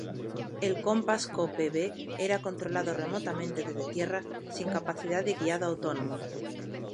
El "Compass Cope B" era controlado remotamente desde tierra sin capacidad de guiado autónomo.